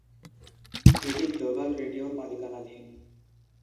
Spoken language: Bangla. এটি গ্লোবাল রেডিওর মালিকানাধীন।